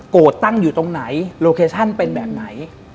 ตั้งอยู่ตรงไหนโลเคชั่นเป็นแบบไหน